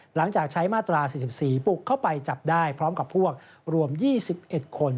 หลังจากใช้มาตรา๔๔ปลุกเข้าไปจับได้พร้อมกับพวกรวม๒๑คน